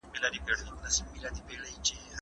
زه به اوږده موده سبزیحات وچولي وم؟!